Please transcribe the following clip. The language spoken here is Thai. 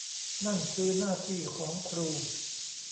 นั่นคือหน้าที่ของครู